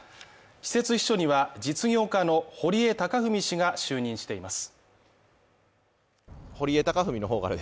私設秘書には、実業家の堀江貴文氏が就任しています。